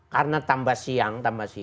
karena tambah siang